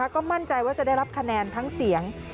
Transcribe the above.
ก็มั่นใจว่าจะได้รับคะแนนทั้งเสียง